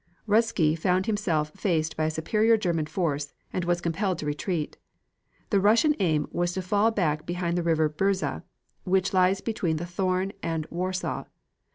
Ruzsky found himself faced by a superior German force, and was compelled to retreat. The Russian aim was to fall back behind the river Bzura, which lies between the Thorn and Warsaw.